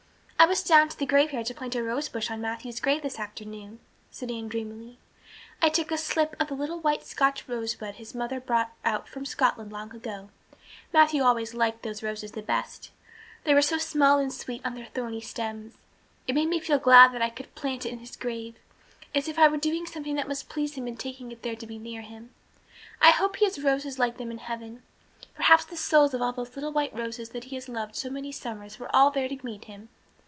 "I was down to the graveyard to plant a rosebush on Matthew's grave this afternoon," said Anne dreamily. "I took a slip of the little white Scotch rosebush his mother brought out from Scotland long ago; Matthew always liked those roses the best they were so small and sweet on their thorny stems. It made me feel glad that I could plant it by his grave as if I were doing something that must please him in taking it there to be near him. I hope he has roses like them in heaven. Perhaps the souls of all those little white roses that he has loved so many summers were all there to meet him.